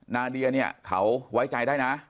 นาเดียเขาไว้ใจได้นะ